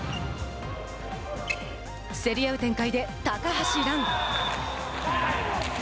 競り合う展開で高橋藍。